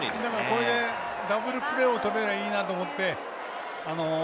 これでダブルプレーをとれればいいなと思って。